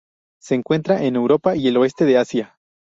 Se encuentra en Europa y el oeste de Asia.